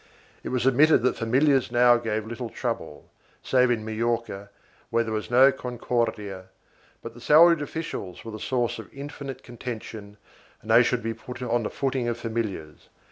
It was admitted that familiars now gave little trouble, save in Majorca, where there was no Concordia, but the salaried officials were the source of infinite contention and they should be put on the footing of familiars.